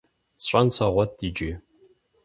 СщӀэн согъуэт иджы.